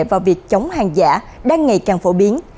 vào việc chống hàng giả đang ngày càng phổ biến